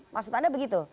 maksud anda begitu